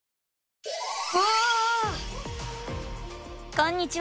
こんにちは！